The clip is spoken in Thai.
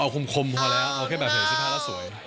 เอาคมพอแล้วเอาแค่แบบเหนือสิบห้าแล้วสวย